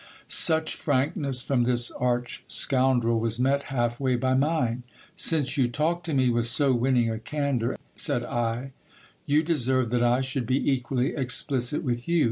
Such frankness from this arch scoundrel was met half way by mine. Since you talk to me with so winning a candour, said I, you deserve that I should be equally explicit with you.